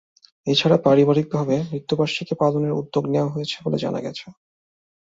এ ছাড়া পারিবারিকভাবে মৃত্যুবার্ষিকী পালনের উদ্যোগ নেওয়া হয়েছে বলে জানা গেছে।